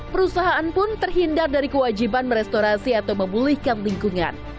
perusahaan pun terhindar dari kewajiban merestorasi atau memulihkan lingkungan